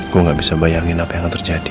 gue gak bisa bayangin apa yang akan terjadi